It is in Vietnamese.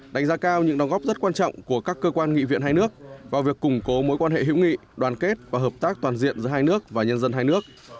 đánh giá cao những đóng góp rất quan trọng của các cơ quan nghị viện hai nước vào việc củng cố mối quan hệ hữu nghị đoàn kết và hợp tác toàn diện giữa hai nước và nhân dân hai nước